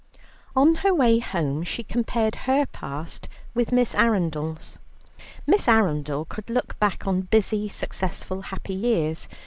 On her way home, she compared her past with Miss Arundel's. Miss Arundel could look back on busy, successful, happy years.